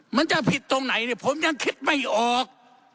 มันจะผิดตรงไหนเนี่ยผมยังคิดไม่ออก